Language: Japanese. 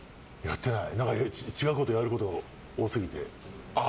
違うこと、やること多すぎて。